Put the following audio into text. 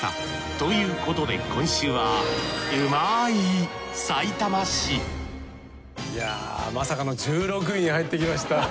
ということで今週はいやまさかの１６位に入ってきました。